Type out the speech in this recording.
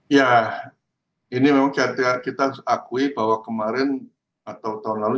ya ini memang kita harus akui bahwa kemarin atau tahun lalu